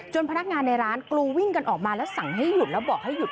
พนักงานในร้านกรูวิ่งกันออกมาแล้วสั่งให้หยุดแล้วบอกให้หยุด